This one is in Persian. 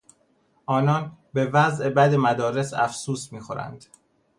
آنان به وضع بد مدارس افسوس میخوردند.